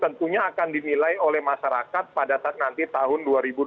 tentunya akan dinilai oleh masyarakat pada saat nanti tahun dua ribu dua puluh